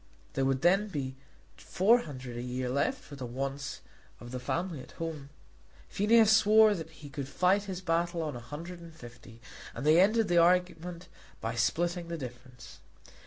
There would then be four hundred a year left for the wants of the family at home. Phineas swore that he could fight his battle on a hundred and fifty, and they ended the argument by splitting the difference.